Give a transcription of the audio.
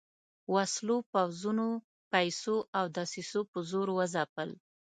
وسلو، پوځونو، پیسو او دسیسو په زور وځپل.